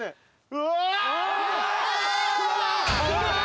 うわ！？